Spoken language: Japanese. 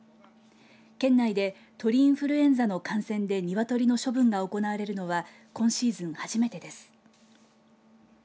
県内で鳥インフルエンザの感染で鶏の処分が行われるのは今シーズン初めてです。